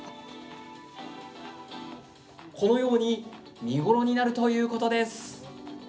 このように見頃になるということです。